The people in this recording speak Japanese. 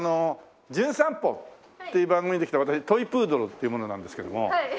『じゅん散歩』っていう番組で来た私トイプードルっていう者なんですけども。